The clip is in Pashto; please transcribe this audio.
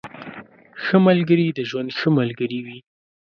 ښه ملګري د ژوند ښه ملګري وي.